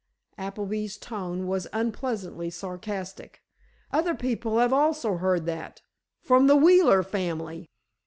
Appleby's tone was unpleasantly sarcastic. "Other people have also heard that—from the Wheeler family!